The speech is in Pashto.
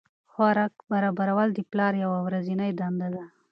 خوراک برابرول د پلار یوه ورځنۍ دنده ده.